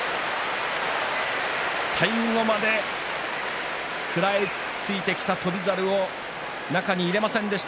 最後まで食らいついてきた翔猿を中に入れませんでした。